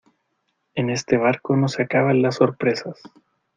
en este barco no se acaban las sorpresas.